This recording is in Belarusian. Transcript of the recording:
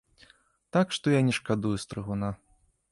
Так што я не шкадую стрыгуна.